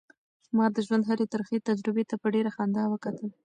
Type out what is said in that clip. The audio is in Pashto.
ما د ژوند هرې ترخې تجربې ته په ډېرې خندا وکتل.